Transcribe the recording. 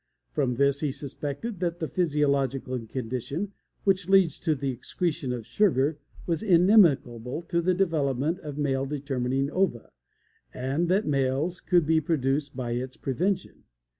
From this he suspected that the physiological condition which leads to the excretion of sugar was inimical to the development of male determining ova, and that males could be produced by its prevention.